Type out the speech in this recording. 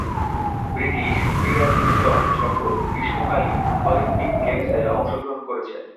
British ক্রীড়াবিদগণ সকল গ্রীষ্মকালীন অলিম্পিক গেমসে অংশগ্রহণ করেছে।